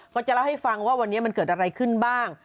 จะเล่าให้ฟังว่าวันนี้มันเกิดอะไรขึ้นบ้าง